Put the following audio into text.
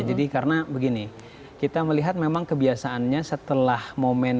jadi karena begini kita melihat memang kebiasaannya setelah momen